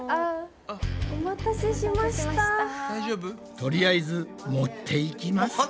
とりあえず持っていきますか。